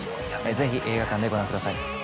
ぜひ映画館でご覧ください。